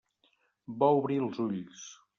Va obrir els ulls.